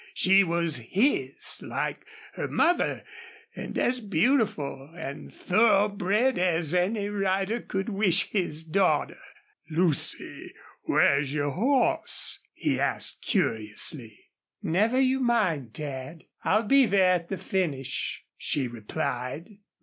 She was his, like her mother, and as beautiful and thoroughbred as any rider could wish his daughter. "Lucy, where's your hoss?" he asked, curiously. "Never you mind, Dad. I'll be there at the finish," she replied.